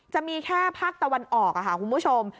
จะมีแค่ภาคตะวันออกค่ะคุณผู้ชม